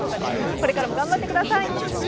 これからも頑張ってください。